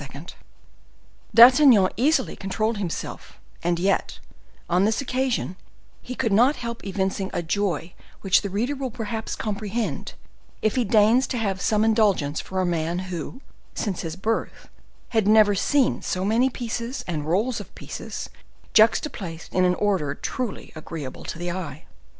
D'Artagnan easily controlled himself: and yet, on this occasion, he could not help evincing a joy which the reader will perhaps comprehend, if he deigns to have some indulgence for a man who, since his birth, had never seen so many pieces and rolls of pieces juxta placed in an order truly agreeable to the eye.